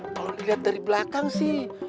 kalau dilihat dari belakang sih